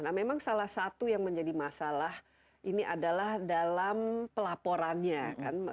nah memang salah satu yang menjadi masalah ini adalah dalam pelaporannya kan